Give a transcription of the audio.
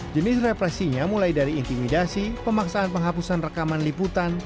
jenis represinya mulai dari intimidasi pemaksaan penghapusan rekaman liputan